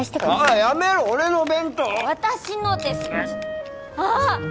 あやめろ俺の弁当私のですあっ！